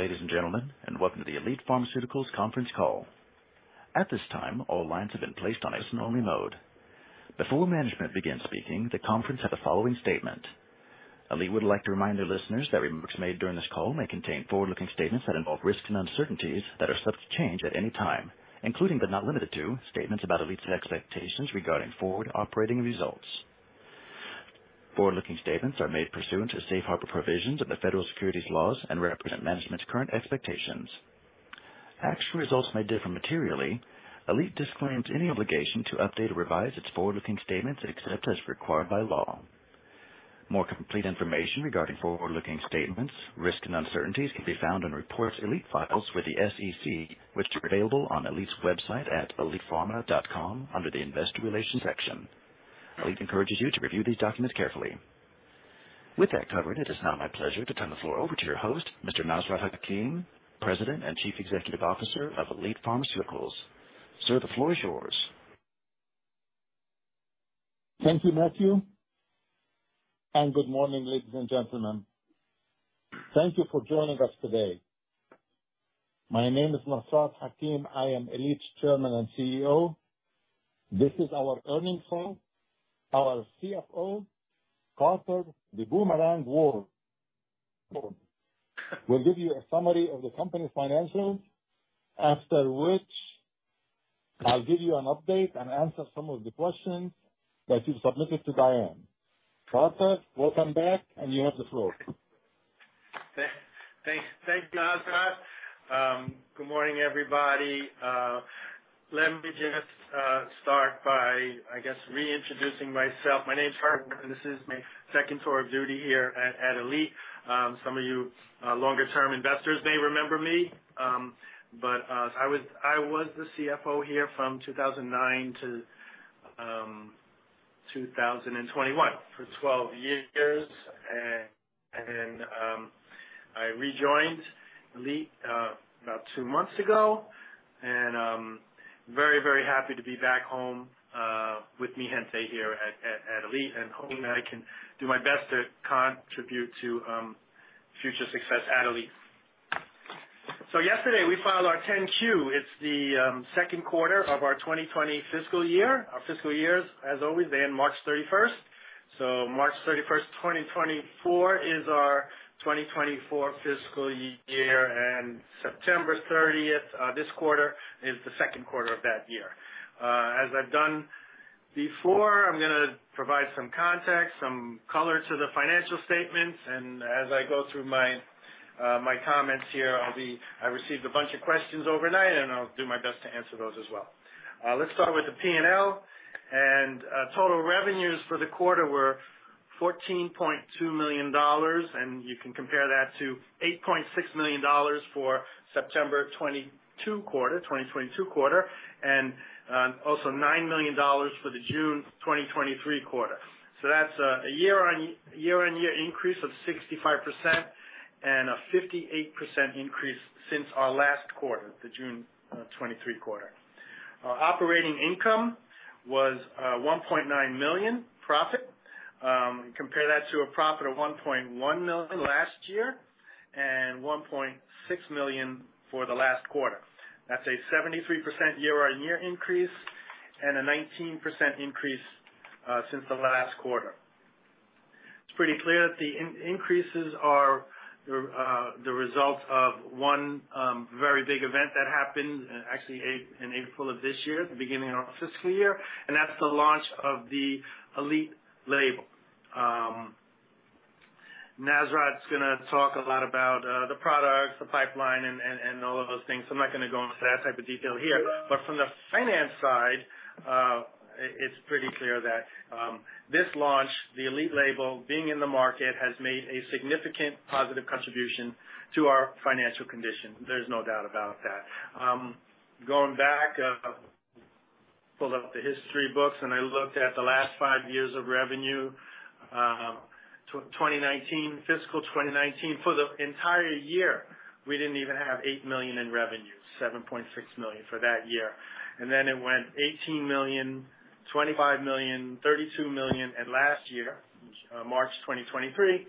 Good morning, ladies and gentlemen, and welcome to the Elite Pharmaceuticals conference call. At this time, all lines have been placed on a listen-only mode. Before management begins speaking, the conference has the following statement. Elite would like to remind their listeners that remarks made during this call may contain forward-looking statements that involve risks and uncertainties that are subject to change at any time, including but not limited to, statements about Elite's expectations regarding forward operating results. Forward-looking statements are made pursuant to the safe harbor provisions of the federal securities laws and represent management's current expectations. Actual results may differ materially. Elite disclaims any obligation to update or revise its forward-looking statements, except as required by law. More complete information regarding forward-looking statements, risks, and uncertainties can be found in reports Elite files with the SEC, which are available on Elite's website at elitepharma.com, under the Investor Relations section. Elite encourages you to review these documents carefully. With that covered, it is now my pleasure to turn the floor over to your host, Mr. Nasrat Hakim, President and Chief Executive Officer of Elite Pharmaceuticals. Sir, the floor is yours. Thank you, Matthew, and good morning, ladies and gentlemen. Thank you for joining us today. My name is Nasrat Hakim. I am Elite's Chairman and CEO. This is our earnings call. Our CFO, Carter "The Boomerang" Ward, will give you a summary of the company's financials. After which, I'll give you an update and answer some of the questions that you've submitted to Diane. Carter, welcome back, and you have the floor. Thanks. Thank you, Nasrat. Good morning, everybody. Let me just start by, I guess, reintroducing myself. My name is Carter, and this is my second tour of duty here at Elite. Some of you longer-term investors may remember me. But I was the CFO here from 2009 to 2021, for 12 years. I rejoined Elite about 2 months ago. Very, very happy to be back home with mi gente here at Elite, and hoping that I can do my best to contribute to future success at Elite. So yesterday we filed our 10-Q. It's the second quarter of our 2020 fiscal year. Our fiscal year is, as always, they end March 31. So March 31, 2024 is our 2024 fiscal year, and September 30 this quarter, is the second quarter of that year. As I've done before, I'm gonna provide some context, some color to the financial statements, and as I go through my my comments here, I'll be I received a bunch of questions overnight, and I'll do my best to answer those as well. Let's start with the P&L and total revenues for the quarter were $14.2 million, and you can compare that to $8.6 million for September 2022 quarter, 2022 quarter, and also $9 million for the June 2023 quarter. So that's a year-on-year increase of 65% and a 58% increase since our last quarter, the June 2023 quarter. Our operating income was $1.9 million profit. Compare that to a profit of $1.1 million last year and $1.6 million for the last quarter. That's a 73% year-on-year increase and a 19% increase since the last quarter. It's pretty clear that the increases are the results of one very big event that happened actually in April of this year, at the beginning of our fiscal year, and that's the launch of the Elite label. Nasrat is gonna talk a lot about the products, the pipeline, and all of those things. I'm not gonna go into that type of detail here. But from the finance side, it is pretty clear that this launch, the Elite label, being in the market, has made a significant positive contribution to our financial condition. There's no doubt about that. Going back, I pulled up the history books, and I looked at the last 5 years of revenue. 2019, fiscal 2019, for the entire year, we didn't even have $8 million in revenue, $7.6 million for that year. And then it went $18 million, $25 million, $32 million, and last year, March 2023,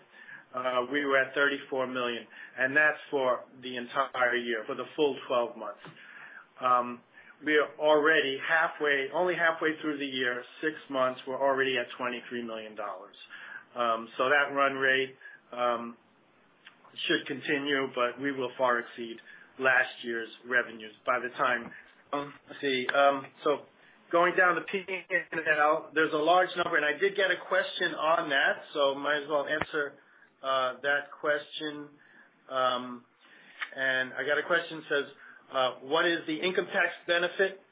we were at $34 million, and that's for the entire year, for the full 12 months. We are already halfway, only halfway through the year, 6 months, we're already at $23 million. So that run rate should continue, but we will far exceed last year's revenues by the time... Let's see. So going down to P&L, there's a large number, and I did get a question on that, so might as well answer that question. And I got a question that says, "What is the income tax benefit,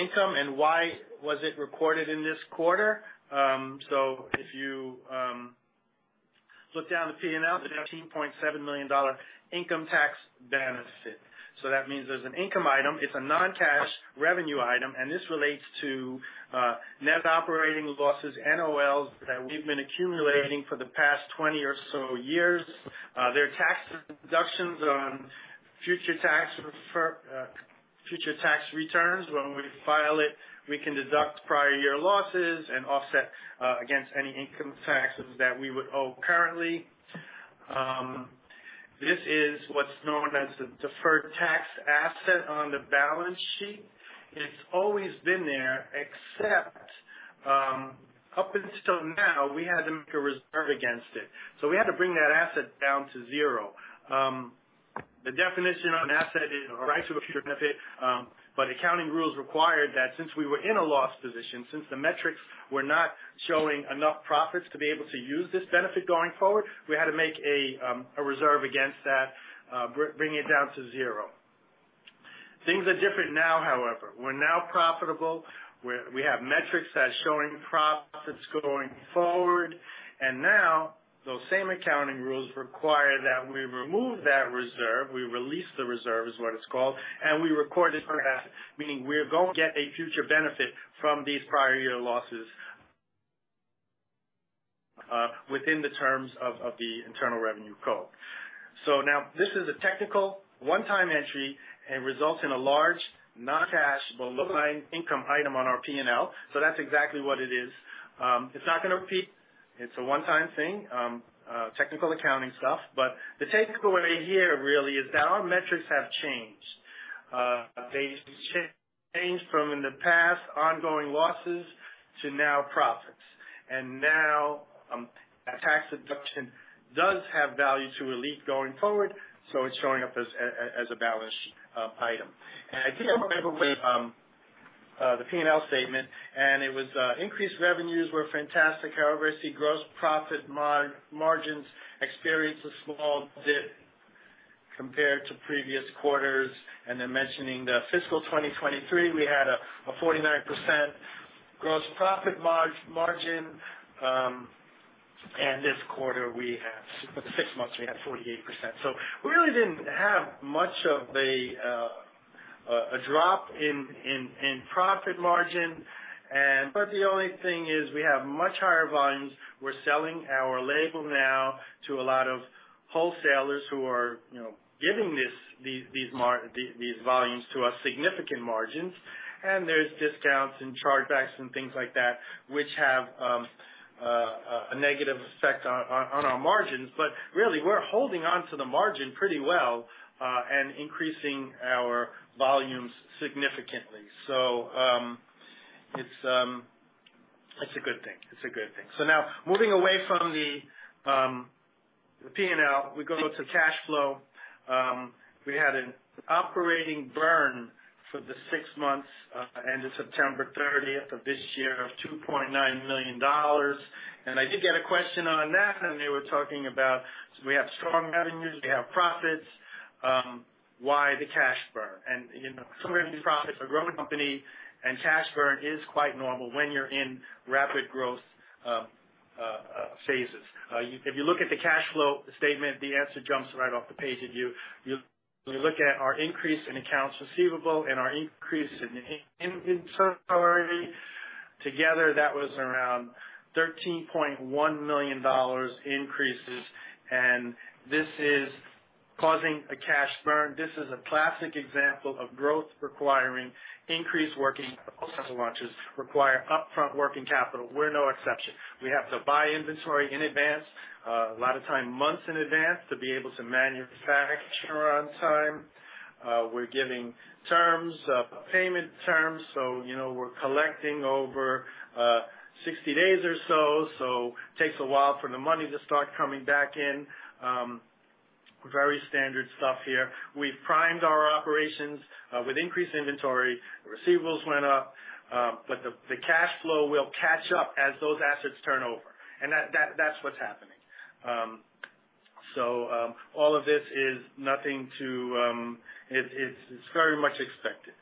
income, and why was it recorded in this quarter?" So if you look down the P&L, the $13.7 million income tax benefit. So that means there's an income item, it's a non-cash revenue item, and this relates to net operating losses, NOLs, that we've been accumulating for the past 20 or so years. There are tax deductions on future tax returns. When we file it, we can deduct prior year losses and offset against any income taxes that we would owe currently. This is what's known as the deferred tax asset on the balance sheet. It's always been there, except, up until now, we had to make a reserve against it. So we had to bring that asset down to zero. The definition of an asset is a right to a future benefit, but accounting rules required that since we were in a loss position, since the metrics were not showing enough profits to be able to use this benefit going forward, we had to make a reserve against that, bring it down to zero. Things are different now, however. We're now profitable, we have metrics that are showing profits going forward, and now those same accounting rules require that we remove that reserve. We release the reserve, is what it's called, and we record it as an asset, meaning we're going to get a future benefit from these prior year losses, within the terms of the Internal Revenue Code. So now this is a technical one-time entry and results in a large non-cash bottom line income item on our P&L. So that's exactly what it is. It's not gonna repeat. It's a one-time thing. Technical accounting stuff. But the takeaway here really is that our metrics have changed. They've changed from, in the past, ongoing losses to now profits. And now, a tax deduction does have value to Elite going forward. So it's showing up as a balance sheet item. And I think the P&L statement, and it was increased revenues were fantastic. However, I see gross profit margins experienced a small dip compared to previous quarters, and they're mentioning the fiscal 2023, we had a 49% gross profit margin. And this quarter, we had. For the six months, we had 48%. So we really didn't have much of a drop in profit margin, and but the only thing is we have much higher volumes. We're selling our label now to a lot of wholesalers who are, you know, giving these volumes to us, significant margins. And there's discounts and chargebacks and things like that, which have a negative effect on our margins. But really, we're holding on to the margin pretty well and increasing our volumes significantly. So, it's a good thing. It's a good thing. So now moving away from the P&L, we go to cash flow. We had an operating burn for the six months ended September 30 of this year, of $2.9 million. And I did get a question on that, and they were talking about, we have strong revenues, we have profits, why the cash burn? And, you know, converting profits, a growing company and cash burn is quite normal when you're in rapid growth phases. If you look at the cash flow statement, the answer jumps right off the page at you. You look at our increase in accounts receivable and our increase in inventory. Together, that was around $13.1 million increases, and this is causing a cash burn. This is a classic example of growth requiring increased working capital. Launches require upfront working capital. We're no exception. We have to buy inventory in advance, a lot of time, months in advance, to be able to manufacture on time. We're giving terms, payment terms, so, you know, we're collecting over 60 days or so, so takes a while for the money to start coming back in. Very standard stuff here. We've primed our operations with increased inventory, receivables went up, but the cash flow will catch up as those assets turn over, and that's what's happening. So, all of this is nothing to... It's very much expected.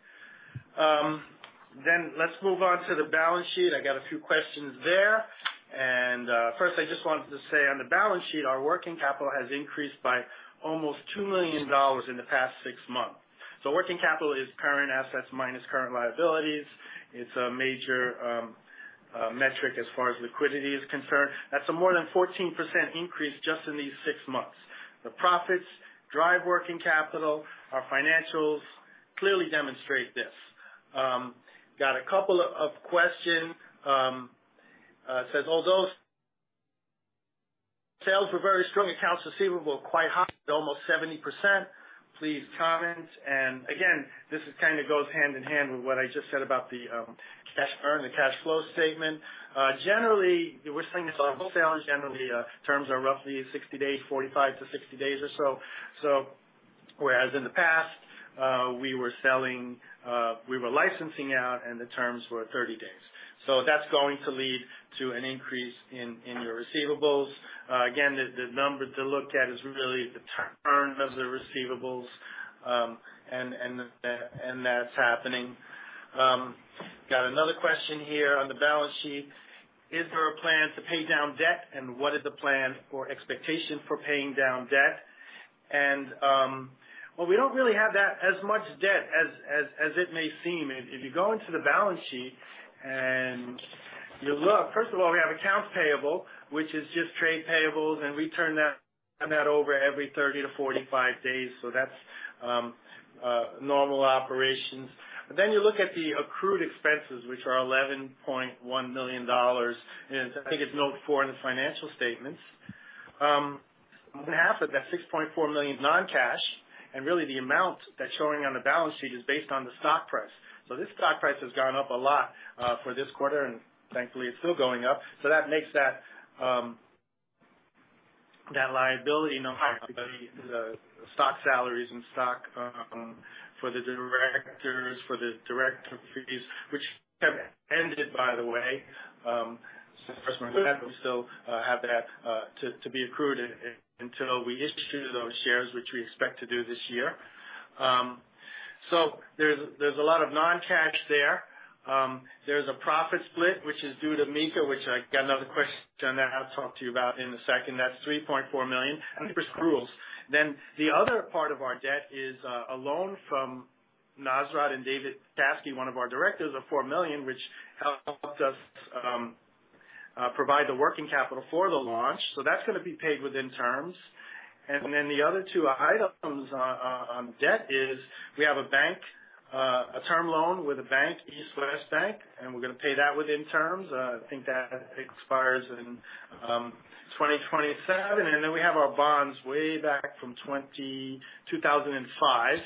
Then let's move on to the balance sheet. I got a few questions there, and first, I just wanted to say on the balance sheet, our working capital has increased by almost $2 million in the past six months. So working capital is current assets minus current liabilities. It's a major metric as far as liquidity is concerned. That's a more than 14% increase just in these six months. The profits drive working capital. Our financials clearly demonstrate this. Got a couple of questions, says, "Although sales were very strong, accounts receivable quite high, almost 70%. Please comment." And again, this is kind of goes hand in hand with what I just said about the cash burn, the cash flow statement. Generally, we're seeing wholesale terms are roughly 60 days, 45-60 days or so. So whereas in the past, we were selling, we were licensing out, and the terms were 30 days. So that's going to lead to an increase in your receivables. Again, the number to look at is really the turn of the receivables, and that's happening. Got another question here on the balance sheet: "Is there a plan to pay down debt, and what is the plan or expectation for paying down debt?" Well, we don't really have as much debt as it may seem. If you go into the balance sheet and you look, first of all, we have accounts payable, which is just trade payables, and we turn that over every 30-45 days. So that's normal operations. But then you look at the accrued expenses, which are $11.1 million, and I think it's note 4 in the financial statements. Half of that $6.4 million is non-cash, and really the amount that's showing on the balance sheet is based on the stock price. So this stock price has gone up a lot, for this quarter, and thankfully, it's still going up. So that makes that, that liability, the stock salaries and stock, for the directors, for the director fees, which have ended, by the way, since we still have that, to be accrued until we issue those shares, which we expect to do this year. So there's a lot of non-cash there. There's a profit split, which is due to Mika, which I got another question that I'll talk to you about in a second. That's $3.4 million USD. Then the other part of our debt is a loan from Nasrat and Davis Caskey, one of our directors of $4 million, which helped us provide the working capital for the launch. So that's going to be paid within terms. And then the other two items on debt is we have a bank, a term loan with a bank, East West Bank, and we're going to pay that within terms. I think that expires in 2027. And then we have our bonds way back from 2005,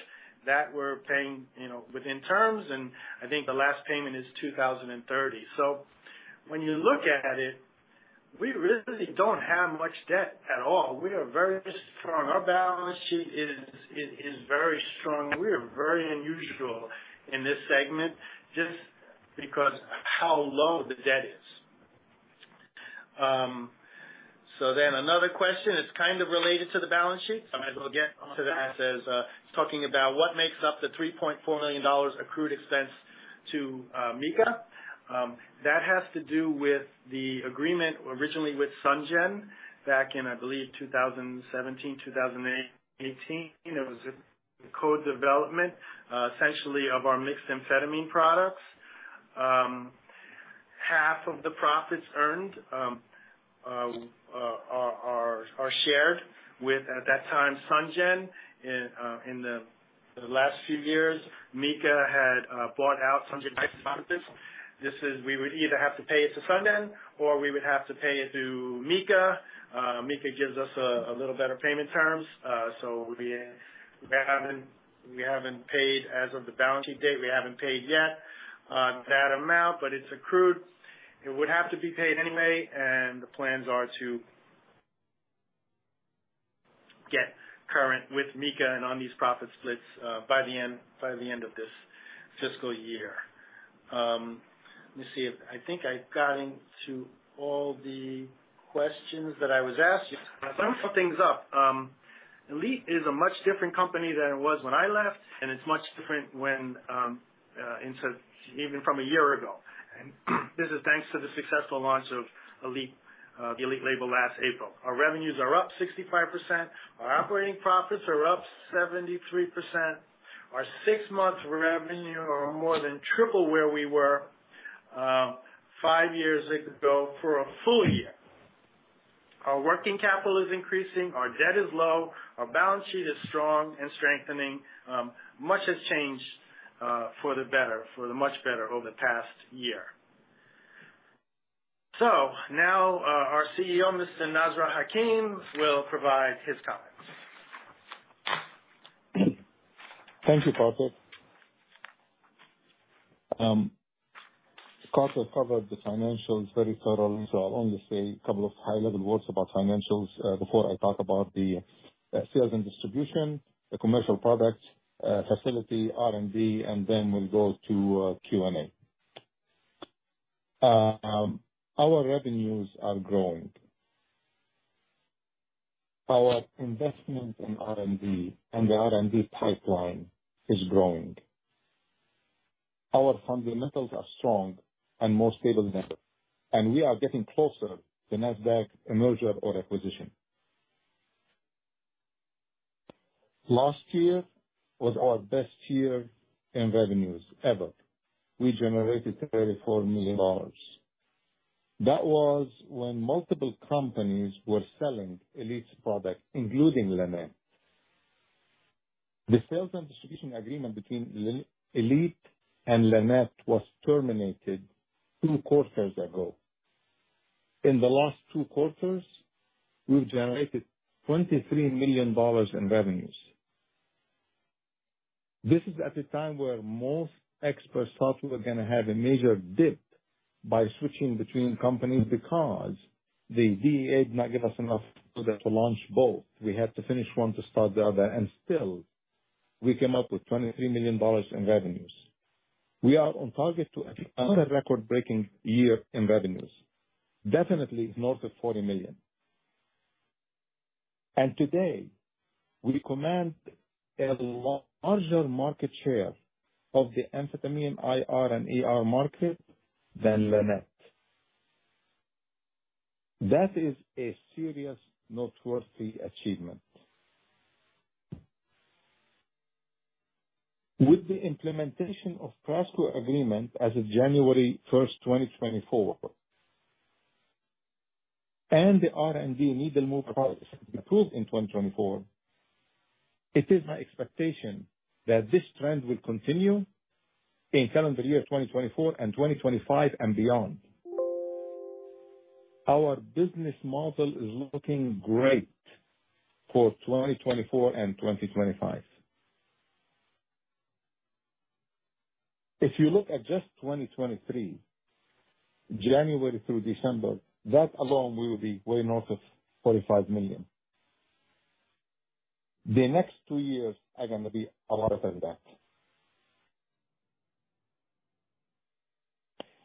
that we're paying, you know, within terms, and I think the last payment is 2030. So when you look at it, we really don't have much debt at all. We are very strong. Our balance sheet is very strong. We are very unusual in this segment just because how low the debt is. So then another question is kind of related to the balance sheet. I might as well get to that as talking about what makes up the $3.4 million accrued expense to Mika. That has to do with the agreement originally with Sun Gen, back in, I believe, 2017, 2018. It was a co-development essentially of our mixed amphetamine products. Half of the profits earned are shared with, at that time, Sun Gen. In the last few years, Mika had bought out Sun Gen. This is we would either have to pay it to Sun Gen or we would have to pay it to Mika. Mika gives us a little better payment terms. So we haven't paid as of the balance sheet date. We haven't paid yet, that amount, but it's accrued. It would have to be paid anyway, and the plans are to get current with Mika and on these profit splits by the end of this fiscal year. Let me see. I think I've gotten to all the questions that I was asking. To sum things up, Elite is a much different company than it was when I left, and it's much different when even from a year ago. And this is thanks to the successful launch of Elite, the Elite label last April. Our revenues are up 65%, our operating profits are up 73%. Our 6 months revenue are more than triple where we were, five years ago for a full year. Our working capital is increasing, our debt is low, our balance sheet is strong and strengthening. Much has changed, for the better, for the much better over the past year. So now, our CEO, Mr. Nasrat Hakim, will provide his comments. Thank you, Carter. Carter covered the financials very thoroughly, so I'll only say a couple of high-level words about financials before I talk about the sales and distribution, the commercial product, facility, R&D, and then we'll go to Q&A. Our revenues are growing. Our investment in R&D and the R&D pipeline is growing. Our fundamentals are strong and more stable than ever, and we are getting closer to NASDAQ merger or acquisition. Last year was our best year in revenues ever. We generated $34 million. That was when multiple companies were selling Elite's products, including Lanet. The sales and distribution agreement between Elite and Lanet was terminated two quarters ago. In the last two quarters, we've generated $23 million in revenues. This is at a time where most experts thought we were going to have a major dip by switching between companies because the DEA did not give us enough to launch both. We had to finish one to start the other, and still, we came up with $23 million in revenues. We are on target to another record-breaking year in revenues, definitely north of $40 million. And today, we command a larger market share of the amphetamine IR and ER market than Lanet. That is a serious noteworthy achievement. With the implementation of Costco agreement as of January 1, 2024, and the R&D needle move products approved in 2024, it is my expectation that this trend will continue in calendar year 2024 and 2025 and beyond. Our business model is looking great for 2024 and 2025. If you look at just 2023, January through December, that alone will be way north of $45 million. The next two years are going to be a lot better than that.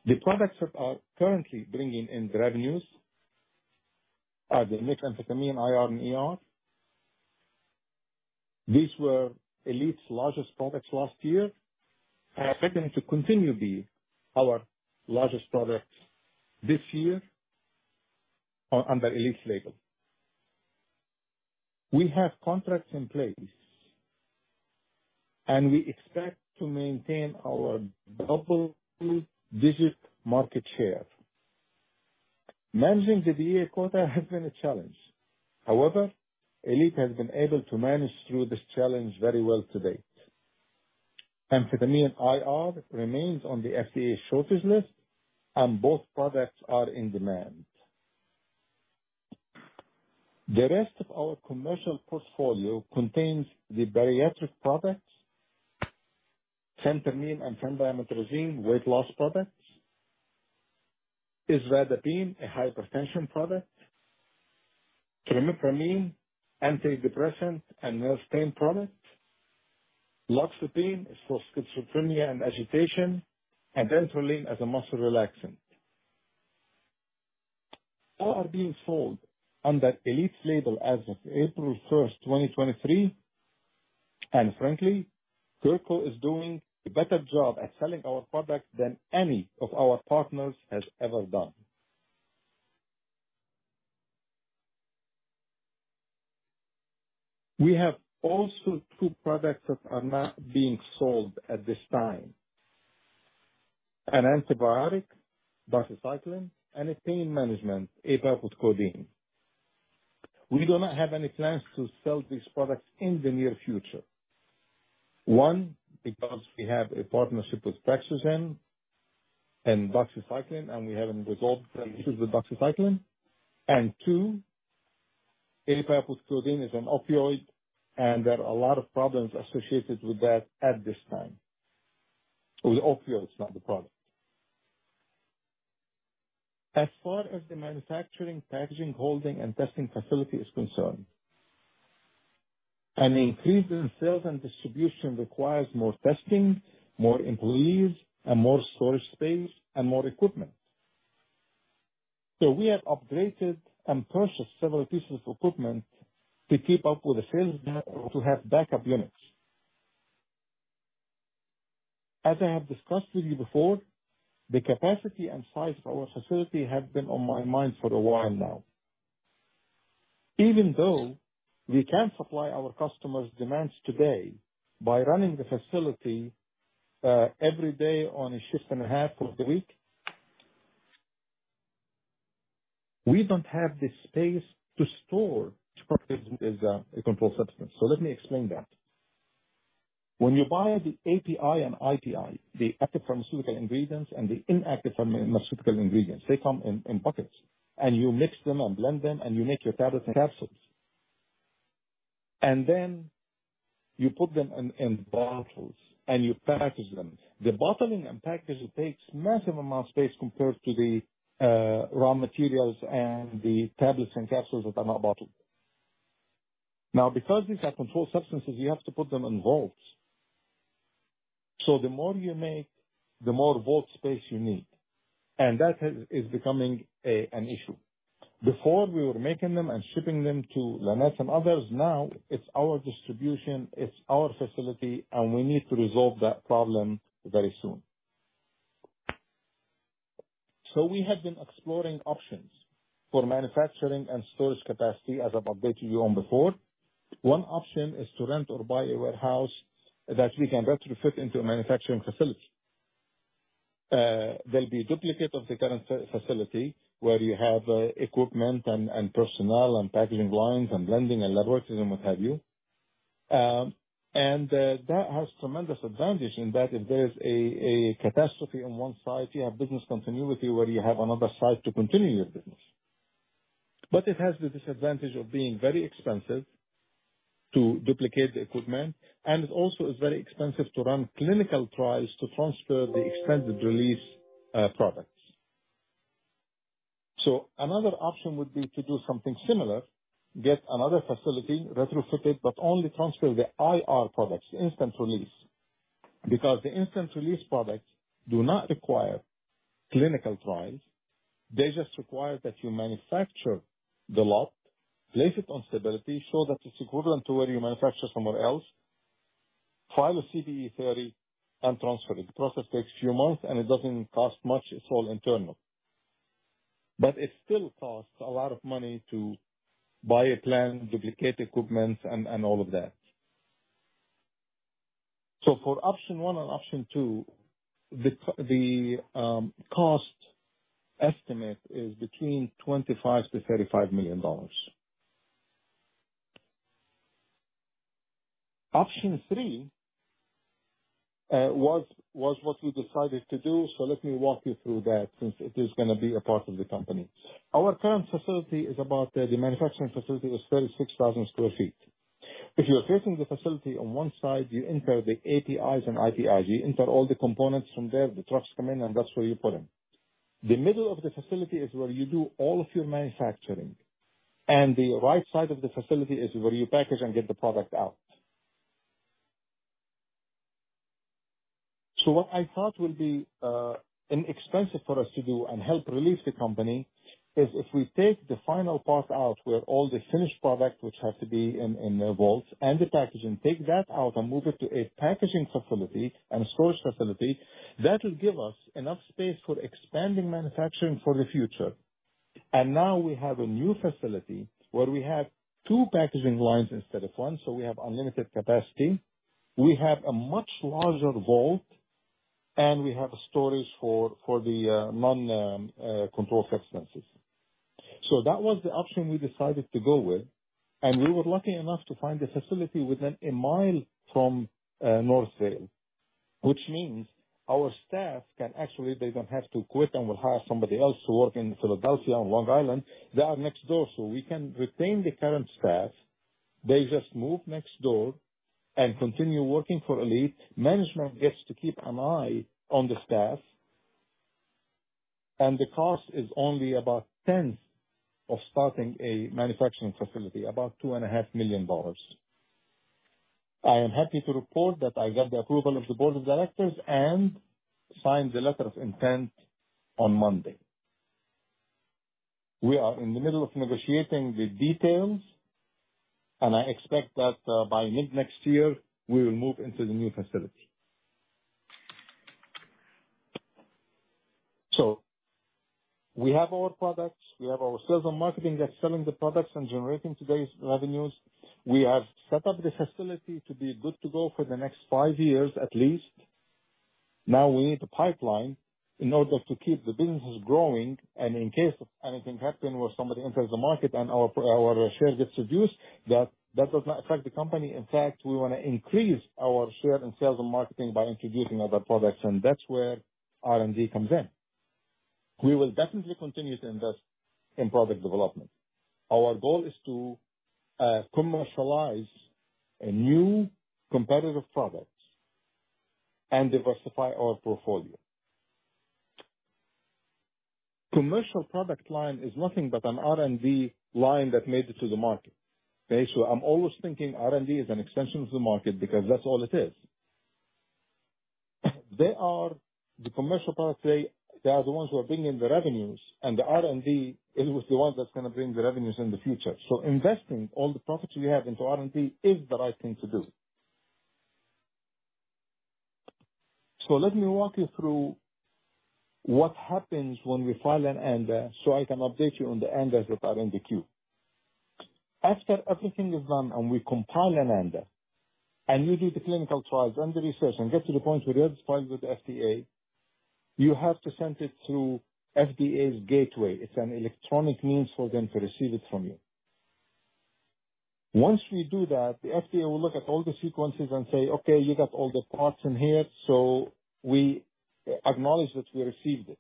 The products that are currently bringing in the revenues are the amphetamine IR and ER. These were Elite's largest products last year, and I expect them to continue to be our largest products this year under Elite's label. We have contracts in place, and we expect to maintain our double-digit market share. Managing the DEA quota has been a challenge. However, Elite has been able to manage through this challenge very well to date. Amphetamine IR remains on the FDA shortage list, and both products are in demand. The rest of our commercial portfolio contains the bariatric products, Phentermine and Topiramate weight loss products. Isradipine, a hypertension product, Clomipramine, antidepressant and nerve pain product. Loxapine is for schizophrenia and agitation, and dantrolene as a muscle relaxant. All are being sold under Elite's label as of April 1, 2023, and frankly, Gerco is doing a better job at selling our products than any of our partners has ever done. We have also two products that are not being sold at this time. An antibiotic, doxycycline, and a pain management, APAP with codeine. We do not have any plans to sell these products in the near future. One, because we have a partnership with Praxgen and doxycycline, and we haven't resolved the issues with doxycycline. And two, APAP with codeine is an opioid, and there are a lot of problems associated with that at this time. With opioids, not the product. As far as the manufacturing, packaging, holding, and testing facility is concerned, an increase in sales and distribution requires more testing, more employees, and more storage space and more equipment. So we have upgraded and purchased several pieces of equipment to keep up with the sales and to have backup units. As I have discussed with you before, the capacity and size of our facility have been on my mind for a while now. Even though we can supply our customers' demands today by running the facility every day on a shift and a half of the week, we don't have the space to store products as a controlled substance. So let me explain that. When you buy the API and IPI, the active pharmaceutical ingredients and the inactive pharmaceutical ingredients, they come in buckets, and you mix them and blend them, and you make your tablets and capsules. And then you put them in bottles, and you package them. The bottling and packaging takes massive amount of space compared to the raw materials and the tablets and capsules that are not bottled. Now, because these are controlled substances, you have to put them in vaults. So the more you make, the more vault space you need, and that is becoming an issue. Before we were making them and shipping them to Lanet and others, now it's our distribution, it's our facility, and we need to resolve that problem very soon. So we have been exploring options for manufacturing and storage capacity, as I've updated you on before. One option is to rent or buy a warehouse that we can retrofit into a manufacturing facility. There'll be a duplicate of the current facility, where you have equipment and personnel and packaging lines and blending and laboratories and what have you. That has tremendous advantage in that if there's a catastrophe on one site, you have business continuity, where you have another site to continue your business. But it has the disadvantage of being very expensive to duplicate the equipment, and it also is very expensive to run clinical trials to transfer the extended release products. So another option would be to do something similar, get another facility, retrofit it, but only transfer the IR products, the instant release. Because the instant release products do not require clinical trials, they just require that you manufacture the lot, place it on stability, show that it's equivalent to where you manufacture somewhere else, file a CBE-30 and transfer it. The process takes few months, and it doesn't cost much. It's all internal, but it still costs a lot of money to buy a plant, duplicate equipment, and all of that. So for option one and option two, the cost estimate is between $25-$35 million. Option three was what we decided to do, so let me walk you through that since it is gonna be a part of the company. Our current facility is about the manufacturing facility is 36,000 sq ft. If you are facing the facility on one side, you enter the APIs and IPIs. You enter all the components from there, the trucks come in, and that's where you put them. The middle of the facility is where you do all of your manufacturing, and the right side of the facility is where you package and get the product out. So what I thought would be inexpensive for us to do and help relieve the company is if we take the final part out, where all the finished products, which have to be in a vault, and the packaging, take that out and move it to a packaging facility and storage facility. That will give us enough space for expanding manufacturing for the future. And now we have a new facility where we have two packaging lines instead of one, so we have unlimited capacity. We have a much larger vault, and we have a storage for the non-controlled substances. So that was the option we decided to go with, and we were lucky enough to find a facility within a mile from Northvale, which means our staff can actually... They don't have to quit, and we'll hire somebody else to work in Philadelphia and Long Island. They are next door, so we can retain the current staff. They just move next door and continue working for Elite. Management gets to keep an eye on the staff, and the cost is only about tenth of starting a manufacturing facility, about $2.5 million. I am happy to report that I got the approval of the board of directors and signed the letter of intent on Monday. We are in the middle of negotiating the details, and I expect that by mid-next year, we will move into the new facility. So we have our products, we have our sales and marketing that's selling the products and generating today's revenues. We have set up the facility to be good to go for the next five years at least. Now we need a pipeline in order to keep the businesses growing, and in case of anything happening, where somebody enters the market and our share gets reduced, that does not affect the company. In fact, we want to increase our share in sales and marketing by introducing other products, and that's where R&D comes in. We will definitely continue to invest in product development. Our goal is to commercialize a new competitive product and diversify our portfolio. Commercial product line is nothing but an R&D line that made it to the market. Okay? So I'm always thinking R&D is an extension of the market because that's all it is. They are the commercial product. They are the ones who are bringing the revenues, and the R&D is the one that's going to bring the revenues in the future. So investing all the profits we have into R&D is the right thing to do. So let me walk you through what happens when we file an ANDA so I can update you on the ANDAs that are in the queue. After everything is done, and we compile an ANDA, and we do the clinical trials and the research and get to the point where you have to file with the FDA, you have to send it through FDA's gateway. It's an electronic means for them to receive it from you. Once we do that, the FDA will look at all the sequences and say, "Okay, you got all the parts in here, so we acknowledge that we received it."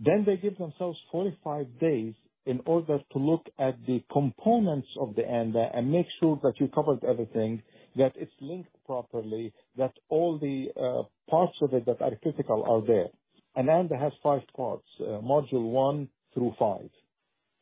Then they give themselves 45 days in order to look at the components of the ANDA and make sure that you covered everything, that it's linked properly, that all the parts of it that are critical are there. An ANDA has five parts, module one through five.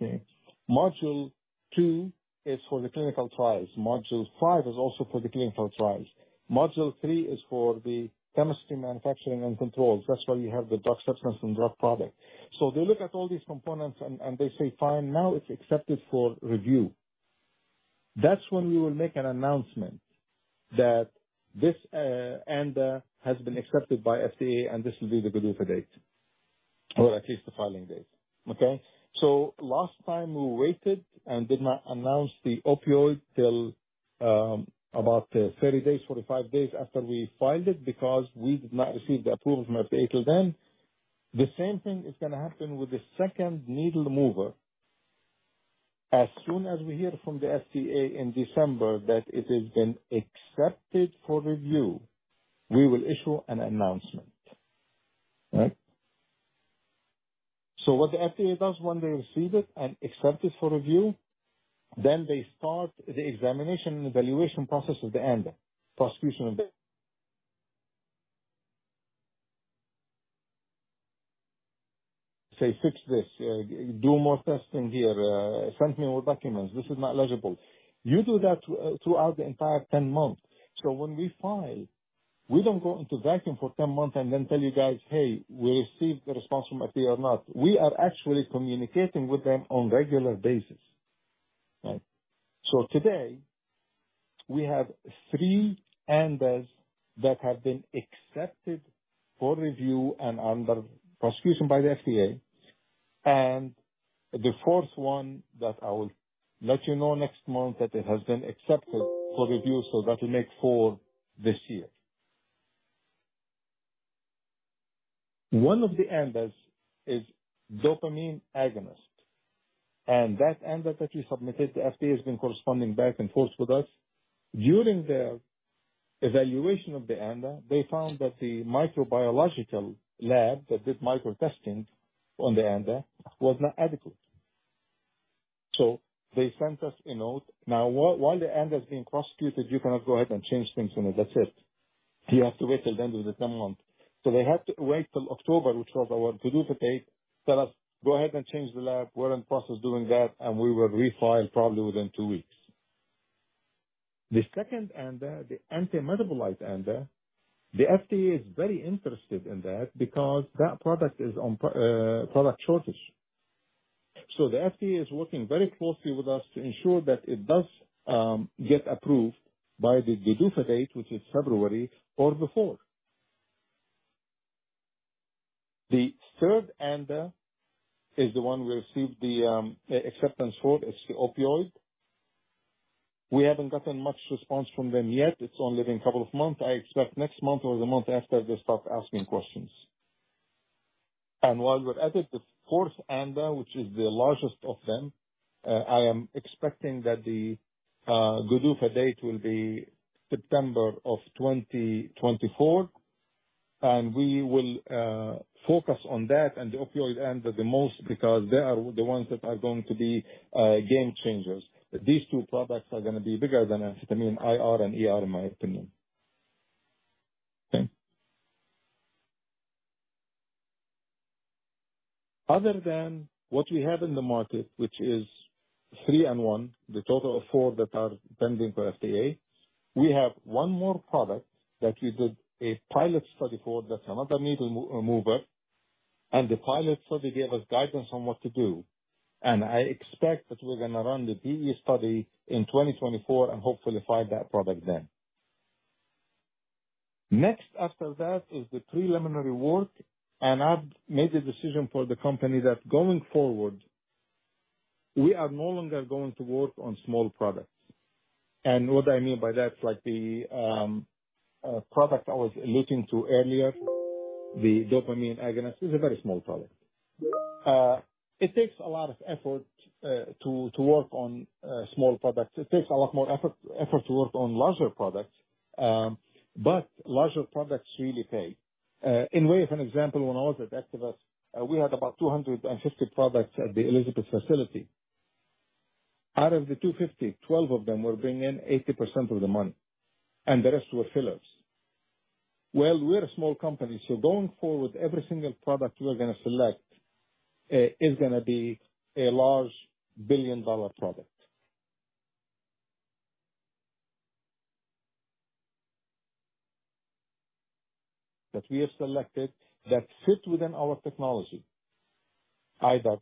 Okay? Module two is for the clinical trials. Module five is also for the clinical trials. Module three is for the chemistry, manufacturing, and controls. That's where you have the drug substance and drug product. So they look at all these components and, and they say, "Fine, now it's accepted for review." That's when we will make an announcement that this ANDA has been accepted by FDA, and this will be the PDUFA date, or at least the filing date. Okay? So last time, we waited and did not announce the opioid till about 30 days, 45 days after we filed it because we did not receive the approval from FDA till then. The same thing is going to happen with the second needle mover. As soon as we hear from the FDA in December that it has been accepted for review, we will issue an announcement. All right? So what the FDA does when they receive it and accept it for review, then they start the examination and evaluation process of the ANDA. Inspection of it. Do more testing here. Send me more documents. This is not eligible." You do that throughout the entire 10 months. So when we file, we don't go into vacuum for 10 months and then tell you guys, "Hey, we received the response from FDA or not." We are actually communicating with them on regular basis. Right? So today we have 3 ANDAs that have been accepted for review and under prosecution by the FDA, and the fourth one that I will let you know next month, that it has been accepted for review. So that will make 4 this year. One of the ANDAs is dopamine agonist, and that ANDA that we submitted, the FDA has been corresponding back and forth with us. During their evaluation of the ANDA, they found that the microbiological lab that did micro testing on the ANDA was not adequate. So they sent us a note. Now, while the ANDA is being prosecuted, you cannot go ahead and change things in it. That's it. You have to wait till the end of the 10 months. So they had to wait till October, which was our PDUFA date, let us go ahead and change the lab. We're in process doing that, and we will refile probably within 2 weeks. The second ANDA, the anti-metabolite ANDA, the FDA is very interested in that because that product is on product shortage. So the FDA is working very closely with us to ensure that it does get approved by the PDUFA date, which is February or before. The third ANDA is the one we received the acceptance for. It's the opioid. We haven't gotten much response from them yet. It's only been a couple of months. I expect next month or the month after, they'll start asking questions. While we're at it, the fourth ANDA, which is the largest of them, I am expecting that the PDUFA date will be September of 2024. And we will focus on that and the opioid ANDA the most, because they are the ones that are going to be game changers. These two products are gonna be bigger than amphetamine IR and ER, in my opinion. Okay. Other than what we have in the market, which is three and one, the total of four that are pending for FDA, we have one more product that we did a pilot study for. That's another needle mover, and the pilot study gave us guidance on what to do, and I expect that we're gonna run the BE study in 2024 and hopefully file that product then. Next after that is the preliminary work, and I've made the decision for the company that, going forward, we are no longer going to work on small products. And what I mean by that, like the product I was alluding to earlier, the dopamine agonist, is a very small product. It takes a lot of effort to work on small products. It takes a lot more effort to work on larger products, but larger products really pay. By way of an example, when I was at Actavis, we had about 250 products at the Elizabeth facility. Out of the 250, 12 of them were bringing in 80% of the money, and the rest were fillers. Well, we're a small company, so going forward, every single product we are gonna select is gonna be a large billion-dollar product. That we have selected, that fit within our technology, either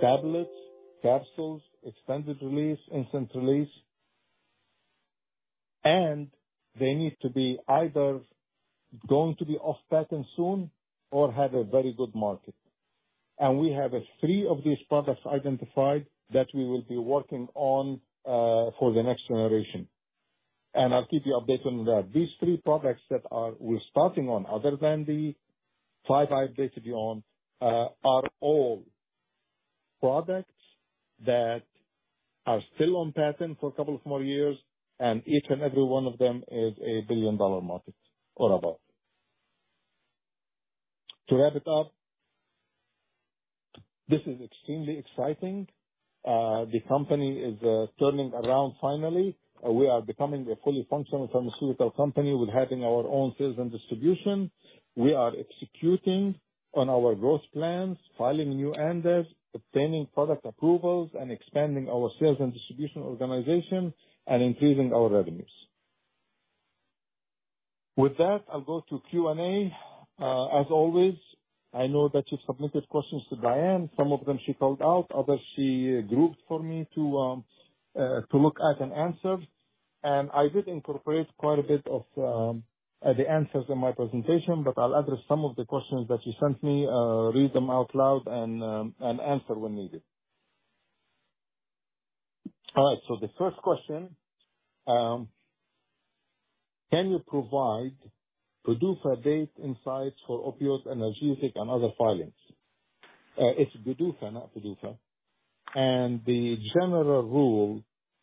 tablets, capsules, extended release, immediate release, and they need to be either going to be off patent soon or have a very good market. And we have three of these products identified that we will be working on for the next generation. And I'll keep you updated on that. These three products we're starting on, other than the five I updated you on, are all products that are still on patent for a couple of more years, and each and every one of them is a billion-dollar market or above. To wrap it up, this is extremely exciting. The company is turning around finally. We are becoming a fully functional pharmaceutical company with having our own sales and distribution. We are executing on our growth plans, filing new ANDAs, obtaining product approvals, and expanding our sales and distribution organization and increasing our revenues. With that, I'll go to Q&A. As always, I know that you submitted questions to Diane. Some of them she called out, others she grouped for me to look at and answer. I did incorporate quite a bit of the answers in my presentation, but I'll address some of the questions that she sent me, read them out loud, and answer when needed. All right, so the first question: Can you provide PDUFA date insights for opioids, analgesic and other filings? It's PDUFA, not PDUFA. The general rule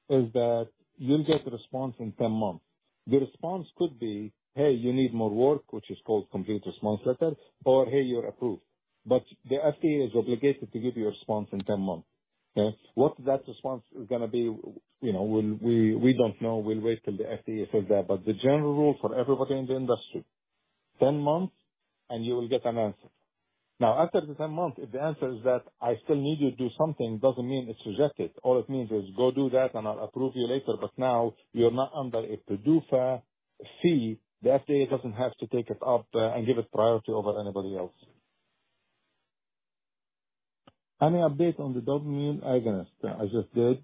is that you'll get a response in 10 months. The response could be, "Hey, you need more work," which is called complete response letter, or, "Hey, you're approved." The FDA is obligated to give you a response in 10 months. Okay? What that response is gonna be, you know, we'll, we don't know. We'll wait till the FDA says that. The general rule for everybody in the industry, 10 months, and you will get an answer. Now, after the 10 months, if the answer is that I still need you to do something, doesn't mean it's rejected. All it means is, "Go do that, and I'll approve you later." Now you're not under a PDUFA fee. The FDA doesn't have to take it up and give it priority over anybody else. Any update on the dopamine agonist? I just did.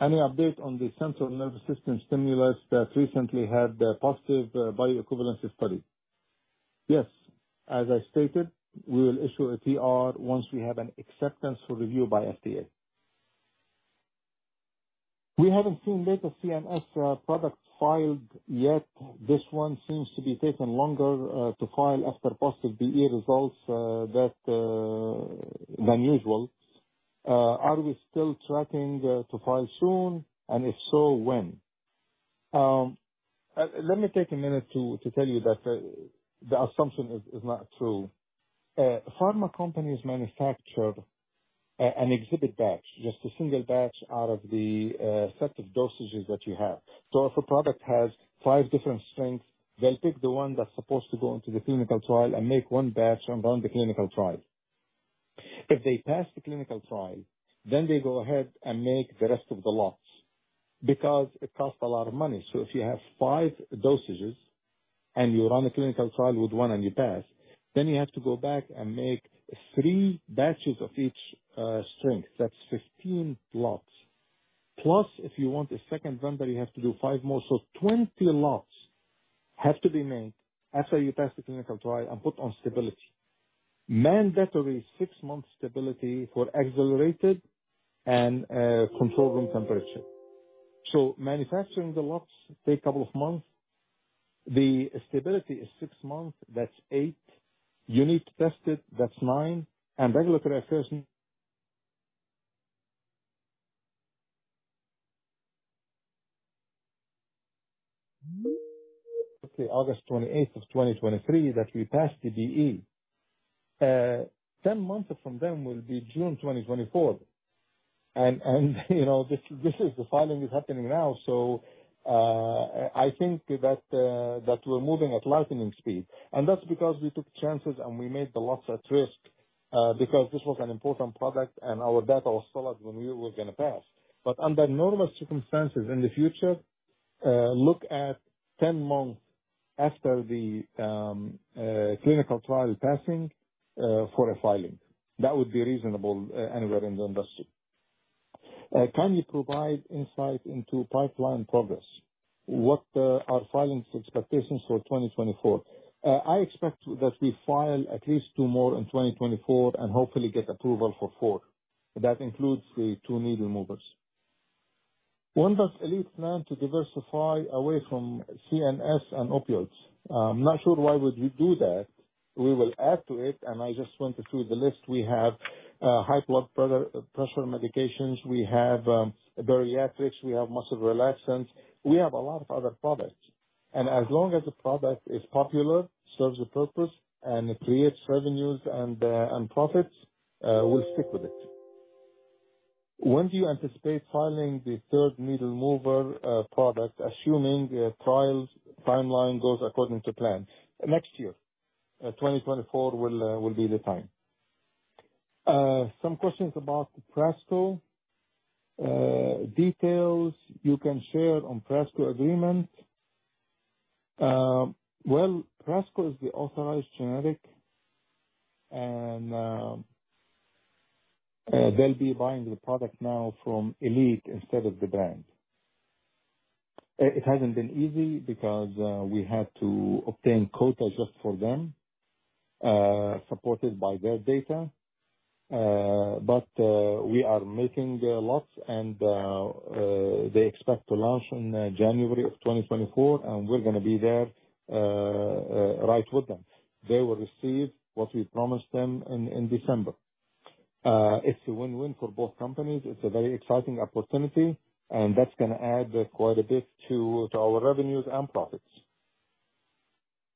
Any update on the central nervous system stimulus that recently had a positive bioequivalence study? Yes, as I stated, we will issue a PR once we have an acceptance for review by FDA. We haven't seen later CNS products filed yet. This one seems to be taking longer to file after positive BE results than usual. Are we still tracking to file soon, and if so, when? Let me take a minute to tell you that the assumption is not true. Pharma companies manufacture an exhibit batch, just a single batch out of the set of dosages that you have. So if a product has five different strengths, they'll pick the one that's supposed to go into the clinical trial and make one batch and run the clinical trial. If they pass the clinical trial, then they go ahead and make the rest of the lots, because it costs a lot of money. So if you have five dosages and you run a clinical trial with one and you pass, then you have to go back and make three batches of each strength. That's 15 lots. Plus, if you want a second run, then you have to do five more. So 20 lots have to be made after you pass the clinical trial and put on stability. Mandatory six-month stability for accelerated and controlled room temperature. So manufacturing the lots take couple of months. The stability is six months, that's eight. You need to test it, that's nine. Regulatory affairs. Okay, August 28, 2023, that we passed the DE. 10 months from then will be June 2024. And you know, this, this is the filing is happening now, so I think that we're moving at lightning speed. And that's because we took chances and we made the lots at risk, because this was an important product and our data was solid when we were gonna pass. But under normal circumstances in the future, look at 10 months after the clinical trial passing for a filing. That would be reasonable anywhere in the industry. Can you provide insight into pipeline progress? What are filings expectations for 2024? I expect that we file at least 2 more in 2024 and hopefully get approval for 4. That includes the two needle movers. When does Elite plan to diversify away from CNS and opioids? I'm not sure why would we do that. We will add to it, and I just went through the list. We have high blood pressure pressure medications. We have bariatrics, we have muscle relaxants. We have a lot of other products, and as long as the product is popular, serves a purpose, and it creates revenues and profits, we'll stick with it. When do you anticipate filing the third needle mover product, assuming the trials timeline goes according to plan? Next year. 2024 will be the time. Some questions about Prasco. Details you can share on Prasco agreement. Well, Prasco is the authorized generic, and they'll be buying the product now from Elite instead of the brand. It hasn't been easy because we had to obtain quotas just for them, supported by their data. But we are making the lots and they expect to launch in January 2024, and we're gonna be there right with them. They will receive what we promised them in December. It's a win-win for both companies. It's a very exciting opportunity, and that's gonna add quite a bit to our revenues and profits.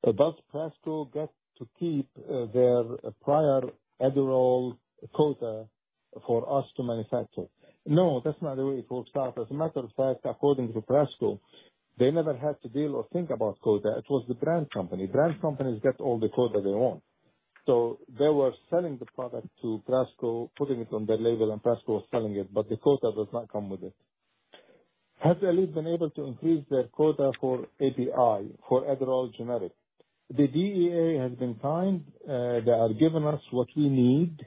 Does Prasco get to keep their prior Adderall quota for us to manufacture? No, that's not the way it works out. As a matter of fact, according to Prasco, they never had to deal or think about quota. It was the brand company. Brand companies get all the quota they want. So they were selling the product to Prasco, putting it on their label, and Prasco was selling it, but the quota does not come with it. Has Elite been able to increase their quota for API, for Adderall generic? The DEA has been kind, they have given us what we need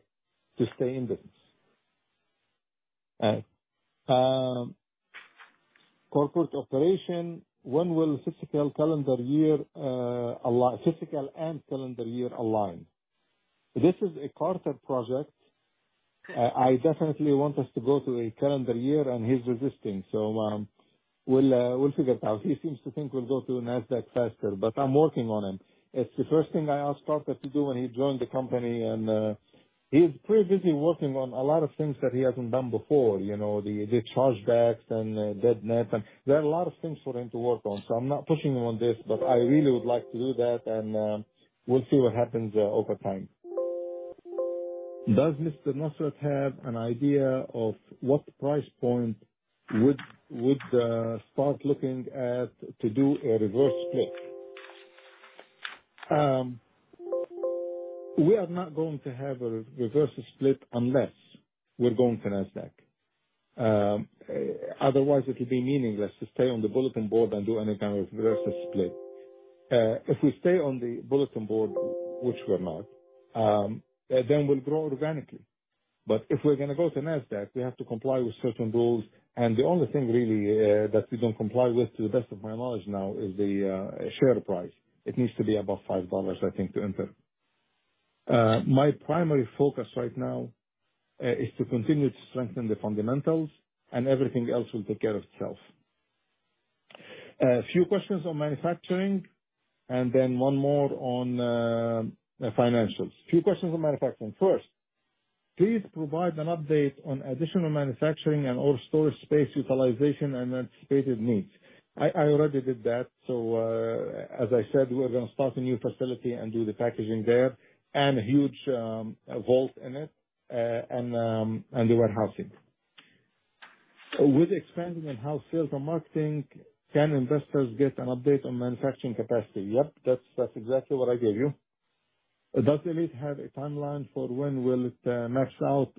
to stay in business. Corporate operation, when will fiscal calendar year, fiscal and calendar year align? This is a Carter project. I definitely want us to go to a calendar year, and he's resisting, so, we'll figure it out. He seems to think we'll go to NASDAQ faster, but I'm working on him. It's the first thing I asked Carter to do when he joined the company and, he's pretty busy working on a lot of things that he hasn't done before, you know, the chargebacks and, dead net, and there are a lot of things for him to work on. So I'm not pushing him on this, but I really would like to do that, and, we'll see what happens, over time. Does Mr. Nasrat have an idea of what price point would, would, start looking at to do a reverse split? We are not going to have a reverse split unless we're going to NASDAQ. Otherwise it will be meaningless to stay on the bulletin board and do any kind of reverse split. If we stay on the bulletin board, which we're not, then we'll grow organically. But if we're gonna go to Nasdaq, we have to comply with certain rules, and the only thing really that we don't comply with, to the best of my knowledge now, is the share price. It needs to be above $5, I think, to enter. My primary focus right now is to continue to strengthen the fundamentals, and everything else will take care of itself. A few questions on manufacturing and then one more on financials. Few questions on manufacturing. First, please provide an update on additional manufacturing and/or storage space utilization and anticipated needs. I already did that, so as I said, we're gonna start a new facility and do the packaging there, and a huge vault in it, and the warehousing. With expanding in-house sales and marketing, can investors get an update on manufacturing capacity? Yep, that's exactly what I gave you. Does Elite have a timeline for when will it max out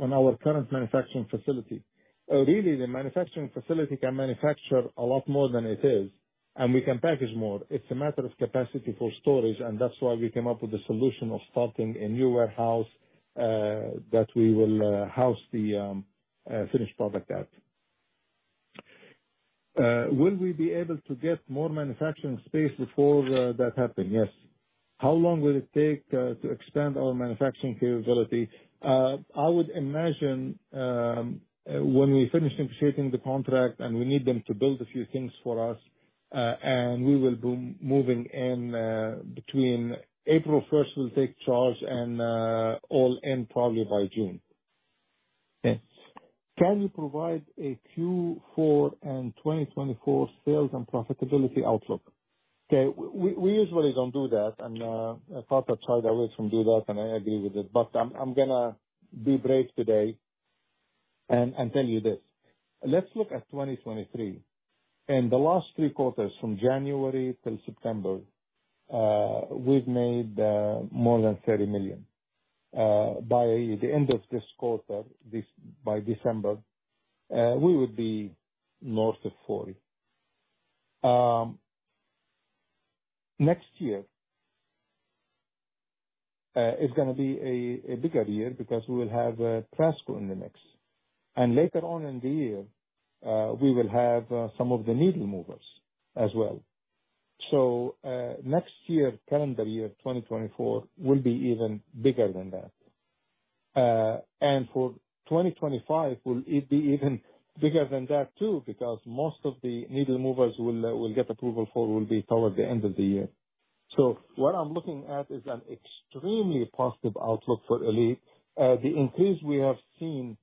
on our current manufacturing facility? Really, the manufacturing facility can manufacture a lot more than it is, and we can package more. It's a matter of capacity for storage, and that's why we came up with the solution of starting a new warehouse that we will house the finished product at. Will we be able to get more manufacturing space before that happen? Yes. How long will it take to expand our manufacturing capability? I would imagine when we finish negotiating the contract and we need them to build a few things for us, and we will be moving in between April first, we'll take charge, and all in probably by June. Yes. Can you provide a Q4 and 2024 sales and profitability outlook? Okay. We usually don't do that, and Parma tries to stay away from doing that, and I agree with it, but I'm gonna be brave today and tell you this. Let's look at 2023. In the last three quarters, from January till September, we've made more than $30 million. By the end of this quarter, by December, we would be north of $40 million. Next year is gonna be a bigger year because we will have Prasco in the mix, and later on in the year we will have some of the needle movers as well. So, next year, calendar year 2024, will be even bigger than that. And for 2025, will it be even bigger than that, too, because most of the needle movers will, will get approval for will be toward the end of the year. So what I'm looking at is an extremely positive outlook for Elite. The increase we have seen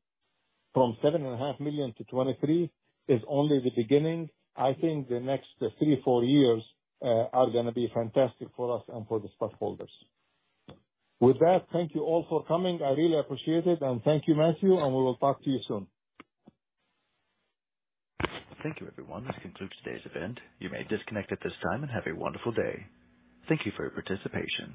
from $7.5 million to $23 million is only the beginning. I think the next three, four years are gonna be fantastic for us and for the stockholders. With that, thank you all for coming. I really appreciate it, and thank you, Matthew, and we will talk to you soon. Thank you, everyone. This concludes today's event. You may disconnect at this time and have a wonderful day. Thank you for your participation.